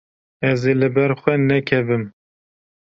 Ez ê li ber xwe nekevim.